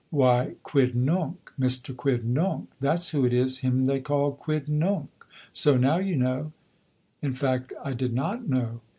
Why, Quidnunc. Mister Quidnunc. That's who it is. Him they call Quidnunc. So now you know." In fact, I did not know.